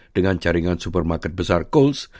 dengan jaringan supermarket besar kohl s